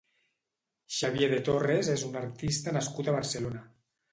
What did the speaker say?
Xavier de Torres és un artista nascut a Barcelona.